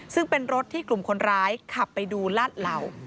ซึ่งเป็นรถที่กลุ่มคนร้ายขับไปดูลาดเหล่า